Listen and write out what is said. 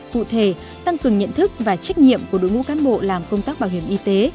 cụ thể tăng cường nhận thức và trách nhiệm của đội ngũ cán bộ làm công tác bảo hiểm y tế